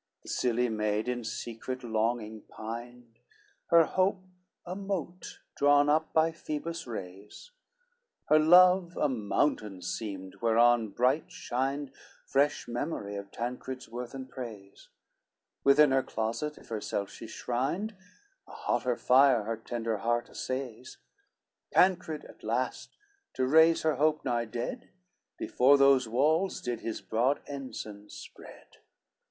LX The silly maid in secret longing pined, Her hope a mote drawn up by Phoebus' rays, Her love a mountain seemed, whereon bright shined Fresh memory of Tancred's worth and praise, Within her closet if her self she shrined, A hotter fire her tender heart assays: Tancred at last, to raise her hope nigh dead, Before those walls did his broad ensign spread.